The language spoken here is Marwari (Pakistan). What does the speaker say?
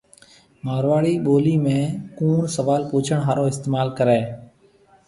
مارواڙِي ٻولِي ۾ ”ڪوُڻ“ سوال پُڇڻ هارون استمعال ڪريَ۔